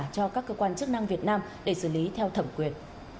cho các cơ quan chức năng việt nam để xử lý theo thẩm quyền